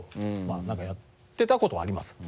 なんかやってたことはあります。